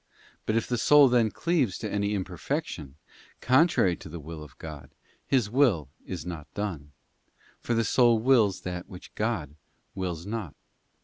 But if the soul then cleaves to any imper fection, contrary to the will of God, His will is not done, for the soul wills that which God wills not.